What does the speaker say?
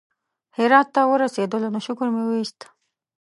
هرات ته ورسېدلو نو شکر مو وایست.